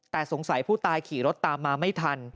แต่สงสัยผู้ตายขี่รถตามมาไม่ทัน